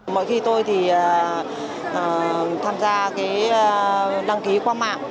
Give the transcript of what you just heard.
mỗi khi tôi thì tham gia cái đăng ký qua mạng